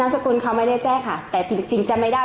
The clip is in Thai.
นางสกุลเค้าไม่ได้แจ้งแต่จริงจำไม่ได้